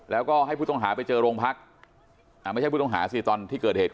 แล้วก็ให้ผู้ต้องหาไปเจอโรงพักไม่ใช่ผู้ต้องหาสิตอนที่เกิดเหตุ